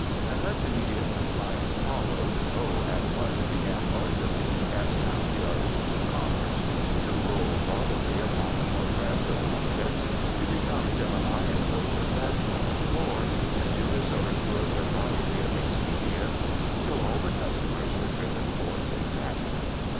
Unless immediate compliance followed Ho at once began noisily to cast down the articles of commerce, to roll bodily upon the more fragile objects, to become demoniacally possessed on the floor, and to resort to a variety of expedients until all the customers were driven forth in panic.